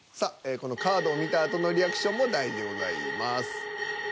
このカードを見たあとのリアクションも大事でございます。